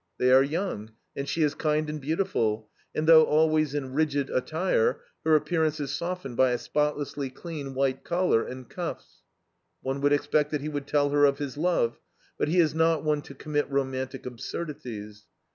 They are young, and she is kind and beautiful, and though always in rigid attire, her appearance is softened by a spotlessly clean white collar and cuffs. One would expect that he would tell her of his love, but he is not one to commit romantic absurdities.